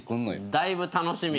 だいぶ楽しみ。